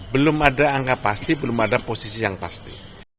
belum ada angka pasti belum ada posisi yang pasti